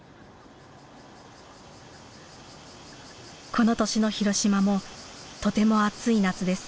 この年の広島もとても暑い夏です。